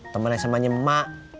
temennya semuanya emak